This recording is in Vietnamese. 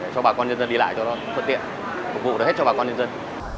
cho bà con nhân dân đi lại cho nó thuận tiện phục vụ được hết cho bà con nhân dân